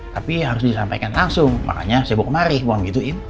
tapi harus disampaikan langsung makanya sibuk kemari bohong gituin